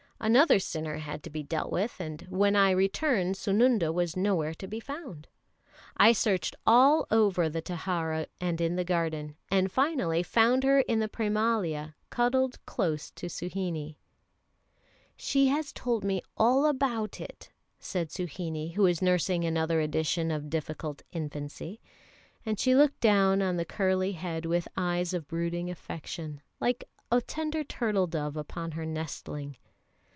Another sinner had to be dealt with, and when I returned Sununda was nowhere to be found. I searched all over the Taraha and in the garden, and finally found her in the Prémalia cuddled close to Suhinie. "She has told me all about it," said Suhinie, who was nursing another edition of difficult infancy; and she looked down on the curly head with eyes of brooding affection, like a tender turtle dove upon her nestling.